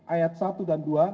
ayat satu dan dua